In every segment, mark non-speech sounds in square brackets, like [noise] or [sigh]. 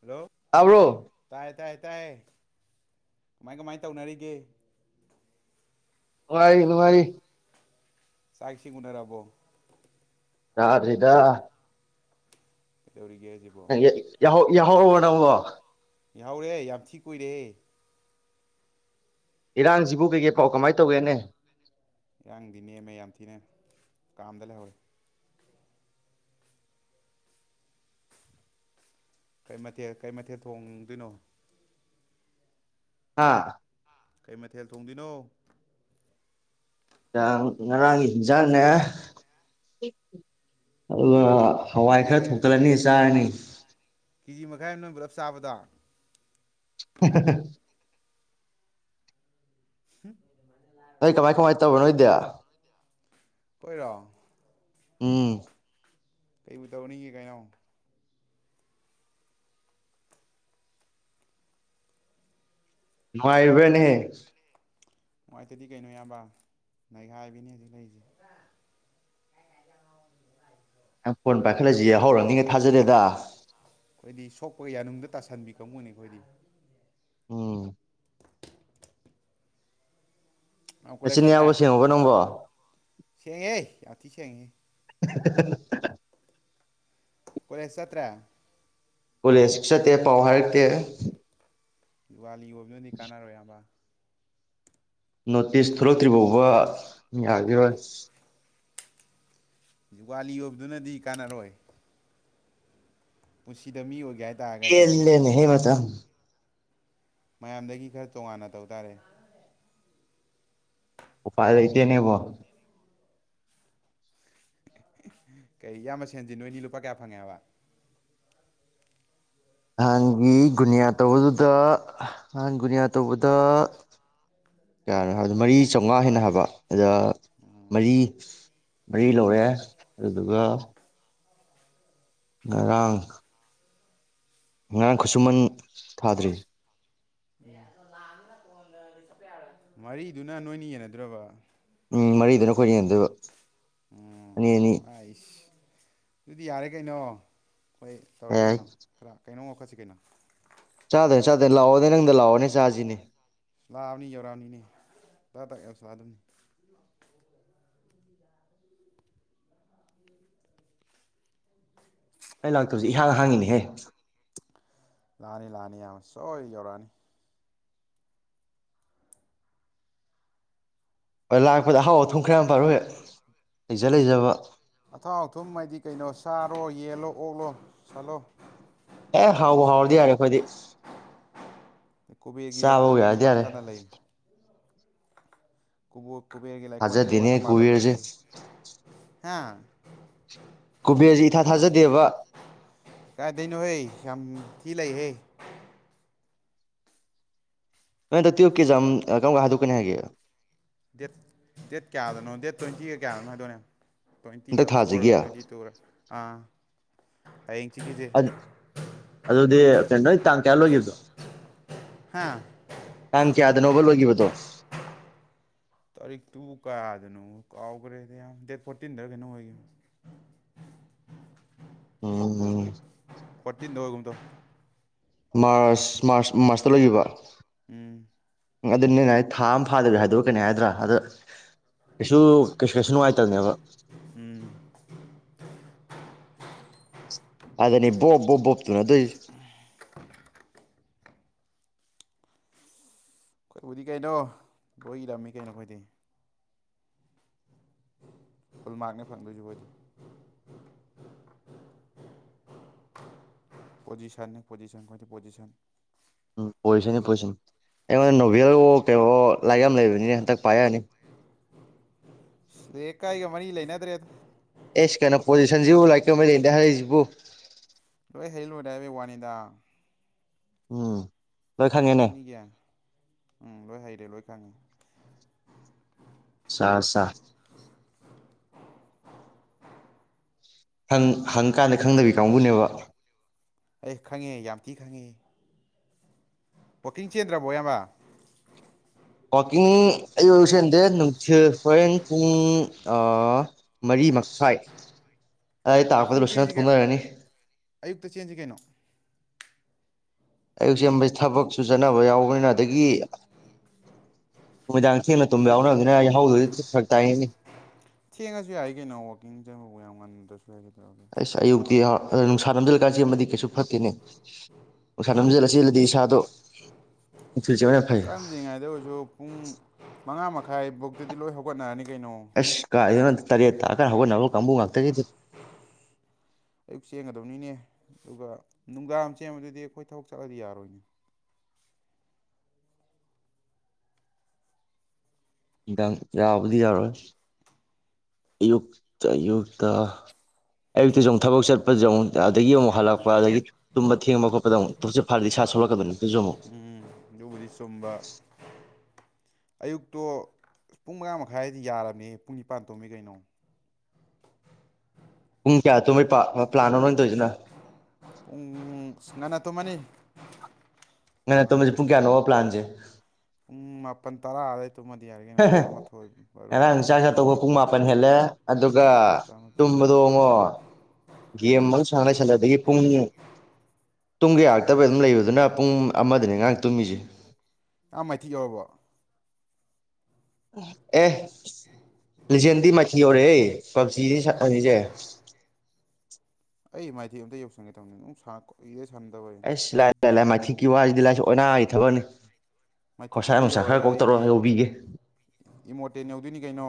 hello ꯇꯥꯕ꯭ꯔꯣ ꯇꯥꯏꯥꯏ ꯇꯥꯏ ꯍꯥꯏ ꯇꯥꯏ ꯀꯃꯥꯏ ꯀꯃꯥꯏꯅ ꯇꯧꯅꯔꯤꯒꯦ ꯅꯨꯡꯉꯥꯏꯔꯤ ꯅꯨꯡꯉꯥꯏꯔꯤ ꯆꯥꯛ ꯏꯁꯤꯡ ꯎꯅꯔꯥꯕꯣ ꯌꯥꯥꯗꯔꯤꯗ ꯗꯧꯔꯤꯒꯦ ꯍꯥꯏꯖꯤꯕꯣ ꯌꯍꯥꯎꯔꯥꯕꯣ ꯅꯥꯪꯕꯣ ꯌꯥꯍꯧꯔꯦ ꯌꯥꯝ ꯊꯤ ꯀꯨꯏꯔꯦ ꯏꯔꯥꯡꯁꯤꯕꯨ ꯀꯩꯀꯩ ꯄꯥꯎ ꯀꯃꯥꯏꯅ ꯇꯧꯒꯦꯅꯦ ꯏꯔꯥꯡꯗꯤ ꯅꯦꯝꯃꯦ ꯌꯥꯝ ꯊꯤꯅ ꯀꯥꯝꯗ ꯂꯩꯍꯧꯋꯦ ꯀꯩ ꯃꯊꯦꯜ ꯀꯩ ꯃꯊꯦꯜ ꯊꯣꯡꯗꯣꯏꯅꯣ ꯍꯥ ꯀꯩ ꯃꯊꯦꯜ ꯊꯣꯡꯗꯣꯏꯅꯣ ꯉꯔꯥꯡꯒꯤ ꯏꯟꯖꯥꯡꯅꯦ ꯑꯗꯨꯒ ꯍꯋꯥꯏ ꯅꯣꯏꯒꯤ ꯈꯔ ꯅꯣꯏ ꯊꯣꯡꯒꯠꯂꯥꯅꯤ ꯆꯥꯔꯅꯤ [inaudible] ꯅꯣꯏ ꯄꯨꯂꯞ ꯆꯥꯕꯗꯣ [inaudible] ꯎꯝ ꯑꯩ ꯀꯃꯥꯏ ꯀꯃꯥꯏ ꯇꯧꯕ ꯅꯣꯏ ꯏꯗꯤ ꯑꯩꯈꯣꯏꯔꯣ ꯎꯝ ꯀꯩ ꯇꯧꯅꯤꯡꯉꯦ ꯀꯩꯅꯣ ꯉꯅꯨꯡꯏꯔꯤꯕꯥꯅꯦꯍꯦ ꯅꯨꯉꯥꯏꯇꯗꯤ ꯀꯩꯅꯣ ꯏꯌꯥꯝꯕꯥ ꯅꯥꯈꯥꯏꯕꯤꯅꯤ ꯍꯧꯖꯤꯛ ꯂꯩꯔꯤꯁꯦ [inaudible] ꯐꯣꯟ ꯄꯥꯏꯈꯠꯂꯛꯏꯁꯤ ꯌꯥꯍꯧꯔꯝꯅꯤ ꯒꯥ ꯅꯩꯈꯥꯏꯕꯤ ꯊꯖꯥꯗꯦꯗꯥ ꯑꯩꯈꯣꯏꯗꯤ ꯁꯣꯛꯄꯒ ꯌꯥꯅꯨꯡꯗ ꯇꯥꯁꯟꯕꯤ ꯀꯥꯡꯕꯨꯅꯤ ꯑꯩꯈꯣꯏꯗꯤ ꯎꯝ ꯅꯪ ꯀꯣꯂꯦꯖ ꯆꯠꯇ꯭ꯔꯦ ꯅꯆꯤꯟꯌꯥꯎꯕ ꯁꯦꯡꯉꯨꯕ ꯅꯪꯕꯣ [inaudible] [inaudible] [inaudible] ꯀꯣꯂꯦꯁ ꯆꯠꯇ꯭ꯔꯦ ꯀꯣꯂꯦꯖ ꯆꯠꯇꯦ ꯄꯥꯎ ꯍꯥꯏꯔꯛꯇꯦ ꯖꯨꯒꯥꯂꯤ ꯌꯣꯕꯅꯗꯤ ꯀꯥꯟꯅꯔꯣꯏ ꯌꯥꯝꯕ ꯅꯣꯇꯤꯁ ꯊꯣꯛꯂꯛꯇ꯭ꯔꯤ ꯐꯥꯎꯕ ꯌꯥꯒꯤꯔꯣꯏ ꯖꯨꯒꯥꯂꯤ ꯌꯣꯕꯗꯨꯅꯗꯤ ꯀꯥꯟꯅꯔꯣꯏ ꯄꯨꯟꯁꯤꯗ ꯃꯤ ꯑꯣꯏ ꯄꯦꯜꯂꯦꯅꯦ ꯍꯦꯃꯇꯝ [inaudible] ꯃꯌꯥꯝꯗꯒꯤ ꯈꯔ ꯇꯣꯉꯥꯟꯅ ꯇꯧ ꯇꯥꯔꯦ ꯎꯄꯥꯏ ꯂꯩꯇꯦ ꯅꯦꯕꯣ ꯀꯩ ꯏꯌꯥꯝꯕ ꯁꯦꯟꯁꯤꯟ ꯅꯣꯏꯅꯤ ꯂꯨꯄꯥ ꯀꯌꯥ ꯐꯪꯉꯦ ꯍꯥꯏꯕ ꯅꯍꯥꯟꯒꯤ ꯒꯨꯅꯤꯌꯥ ꯇꯧꯕꯗꯨꯗ ꯅꯍꯥꯟ ꯒꯨꯅꯤꯌꯥ ꯇꯧꯕꯗ ꯀꯌꯥꯅꯣ ꯍꯥꯏꯕꯗ ꯃꯔꯤ ꯆꯥꯝꯃꯉꯥ ꯍꯦꯟꯅ ꯍꯥꯏꯕ ꯑꯗꯨꯗ ꯃꯔꯤ ꯃꯔꯤ ꯂꯧꯔꯦ ꯑꯗꯨꯗꯨꯒ ꯉꯔꯥꯡ ꯉꯔꯥꯡ ꯈꯨꯠꯁꯨꯃꯟ ꯊꯥꯗ꯭ꯔꯤ ꯃꯔꯤꯗꯨꯅ ꯅꯣꯏꯅꯤ ꯌꯦꯅꯗꯨꯔꯕ ꯎꯝ ꯃꯔꯤꯗꯨꯅ ꯑꯩꯈꯣꯏꯅꯤ ꯌꯦꯟꯅꯗꯣꯏꯕ ꯎꯝ ꯑꯅꯤ ꯑꯅꯤ ꯑꯩꯁ ꯑꯗꯨꯗꯤ ꯌꯥꯔꯦ ꯀꯩꯅꯣ ꯍꯣꯏ ꯇꯧꯔꯁꯤ ꯑꯦ ꯀꯩꯅꯣ ꯈꯔ ꯀꯩꯅꯣꯝ ꯁꯤ ꯀꯩꯅꯣ ꯆꯥꯗꯣꯏꯅꯦ ꯆꯥꯗꯣꯏꯅꯦ ꯂꯥꯛꯑꯣꯅꯦ ꯅꯪꯗ ꯂꯥꯛꯑꯣꯅꯦ ꯆꯥꯖꯤꯅꯦ ꯂꯥꯑꯕꯅꯤ ꯌꯧꯔꯥꯝꯅꯤꯅꯦ ꯄꯇ ꯄꯇ ꯌꯧꯁꯜꯂꯥꯗꯕꯅꯤ ꯑꯩ ꯂꯥꯛꯇꯕꯁꯦ ꯏꯍꯥꯡ ꯍꯥꯡꯉꯤꯅꯦꯍꯦ ꯂꯥꯛꯑꯅꯤ ꯂꯥꯛꯑꯅꯤ ꯌꯥꯝ ꯁꯣꯏ ꯌꯧꯔꯛꯑꯅꯤ ꯍꯣꯏ ꯂꯥꯛꯄꯗ ꯑꯍꯥꯎ ꯑꯊꯨꯝ ꯈ꯭ꯔ ꯌꯥꯝ ꯄꯥꯏꯔꯛꯎ ꯍꯦꯛ ꯂꯩꯖ ꯂꯩꯖꯕ ꯑꯊꯥꯎ ꯑꯊꯨꯝ ꯍꯥꯏꯗꯤ ꯀꯩꯅꯣ ꯁꯥꯕ ꯌꯦꯜꯂꯣ ꯑꯣꯛꯂꯣ ꯁꯜꯂꯣ ꯑꯦ ꯍꯥꯎꯕꯨ ꯍꯥꯎꯔꯗꯤ ꯌꯥꯔꯦ ꯑꯩꯈꯣꯏꯗꯤ ꯀꯣꯕꯦꯔꯒꯤ ꯆꯥꯕꯕꯨ ꯂꯩꯀꯣꯜꯗꯗꯤ ꯌꯥꯔꯗꯤ ꯌꯥꯔꯦ ꯋꯥꯠꯇꯅ ꯂꯩ ꯀꯨꯕꯣꯛ ꯀꯨꯕꯦꯔꯒꯤ ꯂꯩꯥꯏꯀꯣꯜꯗꯗꯤ ꯋꯥꯠꯇ ꯊꯥꯖꯗꯦꯅꯦ ꯄꯥꯗꯅ ꯀꯨꯕꯦꯔꯁꯦ ꯂꯩꯍꯦ ꯍꯥꯥ ꯀꯨꯕꯦꯔꯁꯦ ꯏꯊꯥ ꯊꯥꯖꯗꯦꯕ ꯀꯥꯏꯗꯩꯅꯣꯍꯦ ꯌꯥꯝ ꯊꯤ ꯂꯩꯍꯦ ꯚꯥꯏ ꯑꯗꯣ ꯇꯨꯋꯤꯜꯄꯀꯤꯖꯝ ꯀꯝ ꯀꯥꯟ ꯍꯥꯗꯣꯛ ꯀꯅꯦ ꯍꯥꯏꯒꯦ ꯗꯦꯠ ꯗꯦꯠ ꯀꯌꯥꯗꯅꯣ ꯗꯦꯠ ꯇ꯭ꯋꯦꯟꯇꯤꯒ ꯀꯌꯥꯗꯅꯣ ꯍꯥꯏꯗꯣꯏꯅꯦ ꯍꯥꯏꯕꯅꯦ ꯍꯟꯗꯛ ꯇ꯭ꯋꯦꯟꯇꯤꯒ ꯊꯥꯁꯤꯒꯤ ꯐꯣꯔ ꯇ꯭ꯋꯦꯟꯇꯤ ꯇꯨꯔ ꯑ ꯑꯩ ꯑ ꯑꯗꯨꯗꯤ ꯅꯪ ꯇꯥꯡ ꯀꯌꯥ ꯂꯣꯏꯒꯤꯗꯣ ꯍꯥꯥ ꯇꯥꯡ ꯀꯌꯥꯗꯅꯣꯕ ꯂꯣꯏꯒꯤꯕꯗꯣ ꯇꯥꯔꯤꯛꯇꯨ ꯀꯌꯥꯗꯅꯣ ꯀꯥꯎꯒꯔꯦ ꯗ ꯏꯌꯥꯝ ꯗꯦꯠ ꯐꯣꯔꯇꯤꯟꯗꯔ ꯀꯩꯅꯣ ꯑꯣꯏꯒꯤꯝ ꯑ ꯐꯣꯔꯇꯤꯟꯗ ꯑꯣꯏꯒꯨꯝ ꯇꯧ ꯃꯥꯔꯁ ꯃꯥꯔꯁ ꯃꯥꯔꯁꯇ ꯂꯣꯏꯒꯤꯕ ꯎꯝ ꯑꯗꯨꯅꯦ ꯅ ꯊꯥ ꯑꯃ ꯐꯥꯗꯕꯤ ꯍꯥꯏꯗꯣꯔꯛ ꯀꯅꯤ ꯍꯥꯏꯗ꯭ꯔꯥ ꯑꯗ ꯀꯩꯁꯨ ꯀꯩꯁꯨꯁꯨ ꯅꯨꯡꯉꯥꯏꯇꯕꯅꯦꯕ [inaudible] ꯎꯝ ꯑꯗꯅꯤ ꯣꯞꯣꯣꯞꯇꯨꯅ ꯑꯗꯨꯏ ꯑꯩꯈꯣꯏꯕꯨꯗꯤ ꯀꯩꯅꯣ ꯂꯣꯏ ꯏꯔꯝꯃꯤ ꯀꯩꯅꯣꯈꯣꯏꯗꯤ ꯐꯨꯜꯃꯥꯔꯛꯅꯦ ꯐꯪꯗꯣꯏꯁꯤ ꯍꯣꯏꯗꯤ ꯄꯣꯖꯤꯁꯟꯅꯤ ꯄꯣꯖꯤꯁꯟ ꯈ ꯄꯣꯖꯤꯁꯟ ꯎꯝ ꯑꯣꯏꯁꯅꯤ ꯄꯁꯅꯤ ꯑꯩꯉꯣꯟꯗ ꯅꯣꯚꯦꯜ ꯀꯩꯅꯣ ꯂꯥꯏꯔꯤꯛ ꯌꯥꯝ ꯂꯩꯕꯅꯤꯅ ꯍꯟꯗꯛ ꯄꯥꯏ ꯌꯥꯛ ꯌꯥꯅꯤ ꯑꯗꯀꯥꯏꯒ ꯃꯔꯤ ꯂꯩꯅꯗ꯭ꯔꯦꯗ ꯑꯦꯁ ꯀꯩꯅꯣ ꯄꯣꯖꯤꯁꯟꯁꯤꯕꯨ ꯂꯥꯛꯀꯦ ꯃ ꯂꯩꯗ ꯍꯥꯏꯁꯤꯕꯨ ꯑꯩꯣꯏ ꯍꯩꯂꯨꯗ꯭ꯔ ꯍꯥꯏꯕ ꯋꯥꯅꯤꯗ ꯎꯝ ꯂꯣꯏ ꯈꯪꯉꯦꯅꯦ ꯀꯩꯗꯧꯅꯤꯒꯦ ꯎꯝ ꯂꯣꯏ ꯍꯩꯔꯦ ꯂꯣꯏ ꯈꯪꯉꯦ ꯁꯥ ꯁꯥ ꯪ ꯍꯪꯀꯥꯟꯗ ꯈꯪꯗꯕꯤ ꯀꯥꯡꯕꯨꯅꯦꯕ ꯑꯦ ꯈꯪꯉꯦ ꯌꯥꯝ ꯊꯤ ꯈꯪꯉꯦ ꯕꯕꯨꯀꯤꯡ ꯆꯦꯟꯗ꯭ꯔꯕꯣ ꯏꯃ ꯋꯥꯋꯥꯛꯀꯤꯡ ꯑꯌꯨ ꯑꯣꯏꯁꯤꯦꯟꯗꯦ ꯅꯨꯡꯊꯤꯜ ꯍꯣꯔꯦꯟ ꯄꯨꯡ ꯃꯔꯤ ꯃꯈ꯭ꯥꯏ ꯋꯥꯋꯥꯛꯀꯤꯡ ꯆꯦꯟꯁꯤꯒ ꯑꯌꯨꯛꯇ ꯆꯦꯟꯁꯤ ꯀꯩꯅꯣ ꯑꯌꯨꯛꯁꯦ ꯊꯕꯛꯁꯨ ꯆꯠꯅꯕ ꯌꯥꯎꯕꯅꯤꯅ ꯑꯗꯒꯤ ꯅꯨꯃꯤꯗꯥꯡ ꯊꯦꯡꯅ ꯇꯨꯝꯕ ꯌꯥꯎꯅꯕꯅꯤꯅ ꯌꯥꯍꯧꯗ ꯁꯛ ꯇꯥꯏꯉꯅꯤ ꯊꯦꯡꯉꯁꯨ ꯌꯥꯏ ꯀꯩꯅꯣ ꯋꯥꯛꯀꯤꯡ ꯆꯪꯕꯕꯨ ꯌꯥꯝ ꯉꯝꯗ꯭ꯔꯁꯨ ꯍꯥꯏ ꯀꯩꯅꯣ ꯑꯁ ꯑꯌꯨꯛꯇꯤ ꯅꯨꯡꯁꯥꯟꯅꯕ ꯂꯩ ꯆꯦꯟꯃꯗꯤ ꯀꯩꯁꯨ ꯐꯠꯇꯦꯅꯦ ꯑꯣꯁꯥ ꯅꯝꯖꯜꯂ ꯆꯦꯜꯂꯗꯤ ꯏꯁꯥꯗꯣ ꯅꯨꯡꯊꯤꯜ ꯆꯦꯕ ꯌꯥꯝ ꯐꯩ ꯀꯔꯝꯗ꯭ꯔꯤꯉꯩꯗ ꯍꯥꯏꯥꯏ ꯕꯨꯛꯇꯗꯤ ꯂꯣꯏ ꯍꯧꯒꯠꯅꯔꯅꯤꯒ ꯑꯁ ꯀꯥꯏ ꯇꯔꯤꯑꯦ ꯀꯒꯒꯣ ꯅꯛ ꯑꯌꯨꯛ ꯆꯦꯟꯒꯗꯕꯅꯤꯅꯦ ꯑꯗꯨꯒ ꯅꯨꯡꯗꯥꯡ ꯑꯃ ꯆꯕꯗꯨꯗꯤ ꯑꯩꯈꯣꯏ ꯊꯕꯛ ꯆꯠꯂꯗꯤ ꯌꯥꯔꯣꯏꯅꯦ ꯍꯥꯡ ꯌꯥꯕꯨꯗꯤ ꯌꯥꯔꯣꯏ ꯑꯌꯨꯛꯇ ꯑꯌꯨꯛꯇ ꯑꯌꯨꯛꯇꯁꯨ ꯑꯃꯨꯛ ꯊꯕꯛ ꯆꯠꯄꯗ ꯑꯃꯨꯛ ꯑꯗꯒꯤ ꯑꯃꯨꯛ ꯍꯜꯂꯛꯄ ꯑꯗꯒꯤ ꯇꯨꯝꯕ ꯊꯦꯡꯕ ꯈꯣꯠꯄ ꯗꯨꯛ ꯇꯁꯤ ꯐꯔꯗꯤ ꯏꯁꯥ ꯁꯣꯛꯂꯛꯀꯗ ꯅꯠꯇꯁꯨ ꯑꯃꯨꯛ ꯎꯝ ꯑꯗꯨꯕꯨꯗꯤ ꯆꯨꯝꯕ ꯑꯌꯨꯛꯇꯣ ꯄꯨꯡ ꯃꯉꯥ ꯃꯈꯥꯏꯗꯤ ꯌꯥꯔꯕꯝꯃꯦ ꯄꯨꯡ ꯅꯤꯄꯥꯟ ꯇꯣꯝꯃꯤ ꯀꯩꯅꯣ ꯄꯨꯡ ꯀꯌꯥ ꯇꯨ ꯃꯩ ꯄ ꯄ꯭ꯂꯥꯟ ꯑꯃ ꯑꯣꯏꯅ ꯇꯣꯏꯔꯤꯁꯤꯅ ꯎꯝ ꯁꯅꯅ ꯇꯣ ꯃꯅꯤ ꯉꯅ ꯇ ꯄꯨꯡ ꯀꯌꯥ ꯅ ꯋꯥ ꯄ꯭ꯂꯥꯟꯁꯦ ꯇꯔꯥꯦ ꯉꯔꯥꯡ ꯆꯥꯛ ꯆ ꯇꯧꯕ ꯇꯔꯥꯃꯥꯊꯣꯏ ꯄꯨꯡ ꯕꯥꯔꯣ ꯃꯥꯄꯟ ꯍꯦꯜꯂꯦ ꯑꯗꯨꯒ ꯇꯔꯥꯃꯥꯊꯣꯏ ꯇꯨꯝꯕꯗ ꯍꯡꯉꯣ ꯒꯦꯝ ꯑꯃꯁ ꯁꯥꯡ ꯂꯩꯁꯜꯂꯛꯗꯒꯤ ꯄꯨꯡ ꯇꯨꯡꯒꯤ ꯌꯥꯔꯛꯇꯕꯩ ꯑꯗꯨꯝ ꯂꯩꯕꯗꯨꯅ ꯄꯨꯡ ꯑꯃꯗꯅꯦ ꯉꯥꯡ ꯇꯨꯝꯃꯤꯁꯦ ꯑꯥ ꯃꯥꯏꯊꯤ ꯌꯧꯔꯕꯣ ꯑꯦ ꯂꯤꯖꯦꯟꯗꯤ ꯃꯊꯤ ꯌꯧꯔꯛꯦ ꯄꯞꯖꯤꯗꯤ ꯁꯅꯤꯁꯦ ꯑꯩ ꯃꯥꯏꯊꯤ ꯑꯝꯇ ꯌꯧꯁꯟꯒꯦ ꯇꯧꯅꯤꯅꯦ ꯅꯨꯡ ꯑꯦꯁ ꯂꯥꯏꯂ ꯃꯥꯊ ꯀ ꯋꯥꯂ ꯑꯣꯅꯥ ꯃꯥꯏꯊꯤꯛꯇꯨ ꯈꯔ ꯌꯧꯔꯒ ꯀꯣꯛ ꯇꯧꯔ ꯑꯩꯗꯤ ꯌꯧꯕꯤꯒꯦ ꯏꯃꯣꯔꯇꯦꯟ ꯌꯧꯗꯣꯏꯅꯤ ꯀꯩꯅꯣ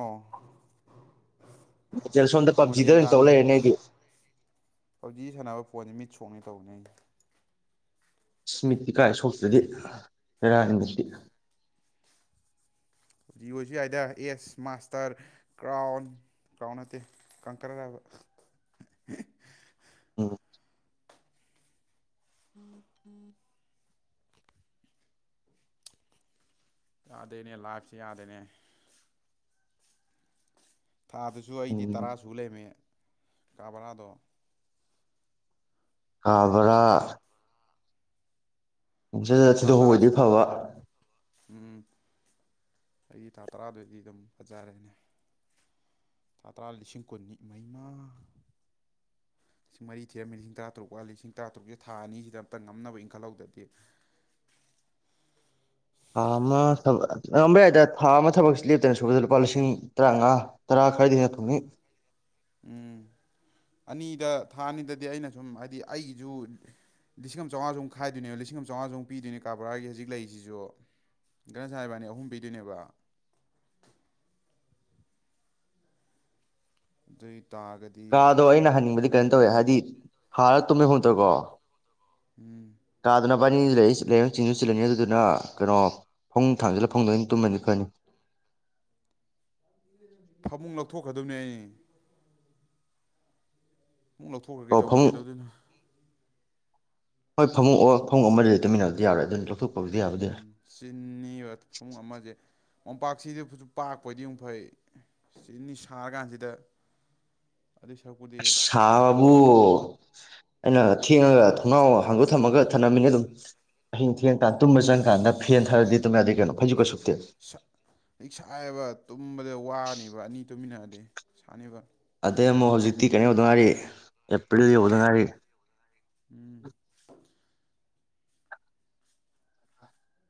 ꯍꯣꯇꯦꯜ ꯁꯣꯝꯗ ꯄꯞꯖꯤꯗ ꯃꯣꯇꯦꯟ ꯑꯣꯏꯅ ꯇꯥꯟ ꯇꯧ ꯂꯩꯔꯦꯅꯦ ꯑꯩꯗꯤ ꯍꯧꯖꯤꯛ ꯁꯥꯟꯅꯕ ꯐꯣꯟꯁꯦ ꯃꯤꯠ ꯁꯣꯛꯉꯦ ꯇꯧꯅꯩꯗ ꯏꯁ ꯃꯤꯠ ꯏꯀꯥꯏ ꯁꯣꯛꯇꯗꯤ ꯀꯔꯥꯏ ꯃꯥꯁꯤꯗꯤ ꯄꯞꯖꯤ ꯑꯣꯏꯁꯨ ꯌꯥꯏꯗ ꯑꯦꯁ ꯃꯥꯁꯇꯔ ꯀ꯭ꯔꯥꯎꯟ ꯀ꯭ꯔꯥꯎꯟ ꯅꯠꯇꯦ ꯀꯪꯀꯔ ꯎꯝ ꯑ ꯑ ꯌꯥꯗꯦꯅꯦ ꯂꯥꯏꯞꯁꯨ ꯌꯥꯗꯦꯅꯦ ꯊꯥꯗꯨꯁꯨ ꯑꯩꯗꯤ ꯎꯝ ꯇꯔꯥꯁꯨ ꯂꯩꯔꯝꯃꯦ ꯀꯥ ꯕ꯭ꯔꯥꯗꯣ ꯍꯥꯎ ꯕꯥꯔꯥ ꯖꯥ ꯖꯥ ꯊꯥ ꯇꯔꯥ ꯊꯤꯗꯣꯛꯄꯥꯑꯣꯏꯗꯤ ꯁꯨꯔꯦ ꯐꯥꯕ ꯎꯝ ꯑꯩꯒꯤ ꯊꯥ ꯇꯔꯥꯗꯨꯗꯤ ꯑꯗꯨꯝ ꯐꯖꯔꯦꯅꯦ ꯊꯥ ꯇꯔꯥ ꯂꯤꯁꯤꯡ ꯀꯨꯟ ꯏꯃꯩꯃꯥ ꯂꯤꯁꯤꯡ ꯃꯔꯤ ꯊꯤꯔꯝꯃꯤ ꯂꯤꯁꯤꯡ ꯇꯔꯥꯇꯔꯨꯛ ꯋꯥꯠꯂꯤ ꯂꯤꯁꯤꯡ ꯇꯔꯥꯇꯔꯨꯛꯁꯦ ꯊꯥ ꯑꯅꯤꯁꯤꯗ ꯑꯃꯇ ꯉꯝꯅꯕ ꯏꯪꯈꯠꯍꯧꯗꯗꯤ ꯊꯥ ꯑꯃ ꯊꯕꯛ ꯉꯝꯕ ꯌꯥꯏꯗ ꯊꯥ ꯑꯃ ꯊꯕꯛꯁꯤ ꯂꯦꯞꯇꯅ ꯁꯨꯕꯗ ꯂꯨꯄꯥ ꯂꯤꯁꯤꯡ ꯇꯔꯥꯃꯉꯥ ꯇꯔꯥ ꯈꯔꯗꯤ ꯍꯦꯟꯅ ꯊꯨꯝꯉꯤ ꯎꯝ ꯑꯅꯤꯗ ꯊꯥ ꯑꯅꯤꯗꯗꯤ ꯑꯩꯅ ꯁꯨꯝ ꯍꯥꯏꯗꯤ ꯑꯩꯒꯤꯁꯨ ꯂꯤꯁꯤꯡ ꯑꯃ ꯆꯥꯝꯃꯉꯥꯁꯨ ꯑꯃꯨꯛ ꯈꯥꯏꯗꯣꯏꯅꯦꯕ ꯂꯤꯁꯤꯡ ꯑꯃ ꯆꯥꯝꯃꯉꯥꯁꯨ ꯑꯃꯨꯛ ꯄꯤꯗꯣꯏꯅꯦ ꯀꯥ ꯕꯥꯔꯥꯒꯤ ꯍꯧꯖꯤꯛ ꯂꯩꯔꯤꯁꯤꯁꯨ ꯒꯥꯅꯖꯤꯠ ꯏꯕꯥꯅꯤ ꯑꯍꯨꯝ ꯄꯤꯗꯣꯏꯅꯦꯕ ꯑꯗꯨꯗꯤ ꯀꯥꯗꯣ ꯑꯩꯅ ꯍꯪꯅꯤꯡꯕꯗꯤ ꯀꯩꯅꯝ ꯇꯧꯋꯦ ꯍꯥꯏ ꯍꯥꯏꯗꯤ ꯍꯥꯔ ꯇꯨꯝꯃꯦ ꯍꯨꯗ꯭ꯔꯀꯣ ꯎꯝ ꯏꯕꯥꯅꯤ ꯂꯩ ꯂꯩꯔ ꯆꯤꯜꯁꯨ ꯆꯤꯜꯂꯅꯤ ꯑꯗꯨꯗꯨꯅ ꯀꯩꯅꯣ ꯐꯥꯃꯨꯡ ꯊꯥꯡꯁꯤꯜꯂ ꯐꯥꯃꯨꯡꯗꯑꯣꯏꯅ ꯇꯨꯝꯃꯅꯤ ꯐꯅꯤ ꯐꯃꯨꯡ ꯂꯧꯊꯣꯛꯈ꯭ꯔꯗꯕꯅꯦ ꯑꯩ ꯐꯃꯨꯡ ꯂꯧꯊꯣꯛꯈ꯭ꯔꯒꯦ ꯑꯣ ꯇꯧꯅꯤ ꯐꯃꯨꯡ ꯀꯩꯗꯧꯗꯣꯏꯅꯣ ꯍꯣꯏ ꯐꯥꯃꯨꯡ ꯐꯥꯃꯨꯡ ꯑꯃꯗꯗꯤ ꯇꯨꯃꯤꯟꯅꯕꯗꯤ ꯌꯥꯔꯣꯏ ꯑꯗꯨꯅ ꯂꯧꯊꯣꯛꯄ ꯎꯝ ꯆꯤꯅꯤꯕ ꯐꯥꯃꯨꯡ ꯑꯃꯖꯦ ꯃꯣꯝꯄꯥꯛꯁꯤꯗꯁꯨ ꯄꯥꯛꯄ ꯑꯣꯏꯗꯤ ꯑꯃ ꯐꯩ ꯆꯤꯟꯅꯤ ꯁꯥꯔ ꯀꯥꯟꯁꯤꯗ ꯁꯕꯥꯕꯨ ꯑꯩꯅ ꯊꯦꯡꯉꯒ ꯊꯣꯡꯅꯥꯎꯒ ꯍꯥꯡꯗꯣꯛ ꯊꯝꯃꯒ ꯊꯅꯝꯃꯤꯅꯦ ꯑꯗꯨꯝ ꯑꯍꯤꯡ ꯊꯦꯡꯉꯀꯥꯟ ꯇꯨꯝꯕ ꯆꯪꯀꯥꯟꯗ ꯐꯦꯟ ꯊꯗ꯭ꯥꯔꯗꯤ ꯇꯨꯝ ꯌꯥꯗꯦ ꯀꯩꯅꯣ ꯐꯩꯖꯨꯝꯀꯥ ꯁꯨꯞ ꯁꯥꯏ ꯁꯥꯏꯌꯦꯕ ꯇꯨꯝꯕꯗ ꯋꯥꯅꯤꯕ ꯑꯗꯨꯒ ꯑꯅꯤ ꯇꯨꯃꯤꯟꯅꯛꯔꯗꯤ ꯁꯥꯥꯅꯤꯕ ꯑꯗꯩ ꯑꯃꯨꯛ ꯍꯧꯖꯤꯛꯇꯤ ꯀꯩꯅꯣ ꯌꯧꯗ ꯉꯥꯏꯔꯤ ꯑꯦꯄ꯭ꯔꯤꯜ ꯌꯧꯗ ꯉꯥꯏꯔꯤ ꯎꯝ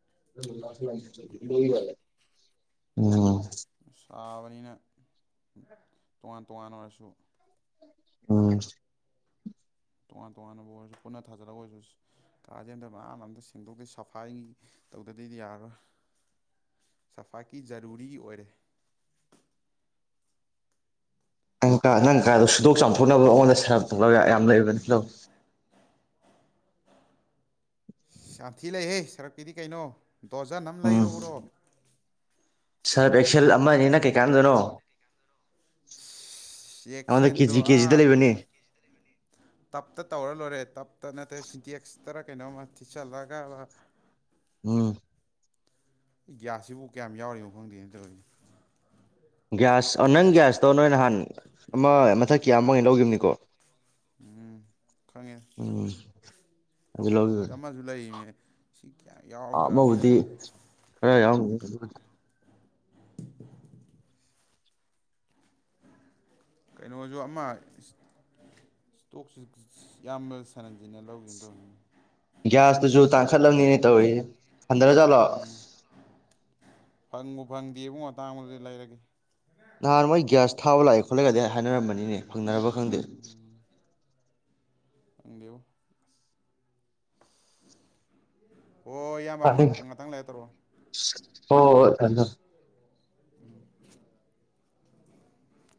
[unintelligible] ꯇꯥꯕꯅꯤꯅ ꯇꯣꯉꯥꯟ ꯇꯣꯉꯥꯟ ꯑꯣꯏꯔꯁꯨ ꯎꯝ ꯇꯣꯉꯥꯟ ꯇꯣꯉꯥꯟꯕꯕꯨ ꯑꯣꯏꯔꯁꯨ ꯄꯨꯟꯅ ꯊꯥꯖꯜꯂꯒ ꯑꯣꯏꯔꯁꯨ ꯀꯥꯥꯁꯦ ꯑꯝꯇ ꯃꯌꯥꯝ ꯑꯃꯇ ꯁꯦꯡꯗꯣꯛꯇꯦ ꯁꯐꯥꯏꯒꯤ ꯇꯧꯗꯗꯤꯗꯤ ꯌꯥꯔꯔꯣꯏ ꯁꯐꯥꯏꯀꯤ ꯖꯔꯨꯔꯤ ꯑꯣꯏꯔꯦ ꯁꯨꯗꯣꯛ ꯆꯥꯝꯊꯣꯛ ꯈꯔ ꯑꯣꯗ ꯁꯦꯔꯥꯟ ꯇꯨꯔꯥꯟ [unintelligible] ꯌꯥꯝ ꯂꯩꯕꯅꯤ ꯂꯧ ꯁꯥꯥꯟꯊꯤ ꯂꯩꯍꯦ ꯁꯔꯛꯀꯤꯗꯤ ꯀꯩꯅꯣ ꯗꯣꯖꯟ ꯑꯃ ꯎꯝ ꯂꯩꯔꯎꯔꯣ ꯁꯔꯞ ꯑꯦꯛꯁꯦꯜ ꯑꯃꯅ ꯀꯩꯀꯥꯟꯗꯅꯣ ꯆꯦꯛꯁꯦꯟꯗꯣ ꯑ ꯇꯞꯇ ꯇꯧꯔ ꯂꯣꯏꯔꯦ ꯇꯞꯇ ꯅꯠꯇ꯭ꯔꯦ ꯁꯤꯟꯇꯦꯛꯁ ꯇꯔ ꯀꯩꯅꯣ ꯃ ꯊꯤꯆꯠꯂꯒꯕ ꯎꯝ ꯒꯤꯒ꯭ꯌꯥꯁꯁꯤꯕꯨ ꯀꯌꯥꯝ ꯌꯥꯎꯔꯤꯅꯣ ꯈꯪꯗꯦꯅ ꯇꯧꯗꯤ ꯒ꯭ꯌꯥꯁ ꯅꯪ ꯒ꯭ꯌꯥꯁꯇꯣ ꯅꯣꯏ ꯅꯍꯥꯟ ꯑꯃ ꯃꯊꯛ ꯀꯌꯥꯃꯥꯏꯅ ꯂꯧꯈꯤꯕꯅꯤꯀꯣ ꯈꯪꯉꯦ ꯎꯝ ꯑꯗꯨ ꯁꯤꯗ ꯂꯈꯤꯕꯅꯤ ꯑꯃꯁꯨ ꯂꯩꯔꯤꯅꯦ ꯁꯤ ꯀꯌꯥꯝ ꯑꯃꯕꯨꯗꯤ ꯌꯥꯎꯗ꯭ꯔꯕꯅꯤ ꯈꯔ ꯌꯥꯎꯒ ꯑꯗꯨ ꯀꯩꯅꯣꯁꯨ ꯑꯃ ꯏꯁꯇꯣꯛꯁꯤ ꯌꯥꯝꯅ ꯁꯥꯥꯟꯍꯟꯁꯤꯟꯅ ꯂꯧꯒꯦꯅ ꯇꯧꯅꯤ ꯒ꯭ꯌꯥꯁꯇꯨꯁꯨ ꯇꯥꯡꯈꯠꯂꯝꯅꯤꯅꯦ ꯇꯧꯔꯤ ꯍꯟꯗꯔ ꯆꯂꯣ ꯐꯪꯕꯨ ꯐꯪꯗꯦꯕꯨꯨꯡ ꯃꯇꯥꯡ ꯑꯃꯗꯗꯤ ꯂꯩꯔꯒꯦ ꯅꯍꯥꯟꯋꯥꯣꯏ ꯒ꯭ꯌꯥꯁ ꯊꯥꯕ ꯂꯥꯛꯑꯦ ꯈꯣꯠꯂꯛꯒꯗꯤ ꯍꯥꯏꯅꯔꯝꯕꯅꯤꯅꯦ ꯐꯪꯅꯔꯕ ꯈꯪꯗꯦ ꯈꯪꯗꯦꯕꯣ ꯍꯣꯏ ꯏꯌꯥꯝꯕ ꯍ ꯑꯃꯨꯛ ꯉꯥꯛꯇꯪ ꯂꯩꯔ ꯇꯧꯔꯛꯑꯣ ꯀꯗ